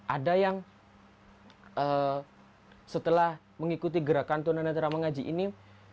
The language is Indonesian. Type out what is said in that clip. ada yang setelah mengikuti gerakan tuan anadra mengaji ini